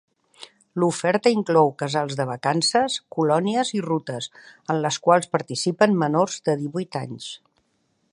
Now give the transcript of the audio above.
L'oferta inclou casals de vacances, colònies i rutes en les quals participen menors de divuit anys.